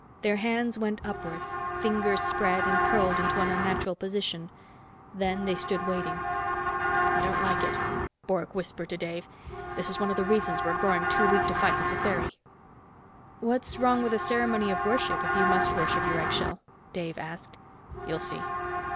Their hands went upwards, fingers spread and curled into an unnatural position. Then they stood waiting. "I don't like it," Bork whispered to Dave. "This is one of the reasons we're growing too weak to fight the Satheri." "What's wrong with a ceremony of worship, if you must worship your eggshell?" Dave asked. "You'll see.